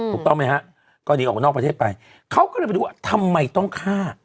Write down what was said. ถูกต้องไหมฮะก็หนีออกนอกประเทศไปเขาก็เลยไปดูว่าทำไมต้องฆ่า